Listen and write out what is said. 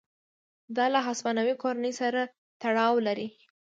دا له هسپانوي کورنۍ سره تړاو لري.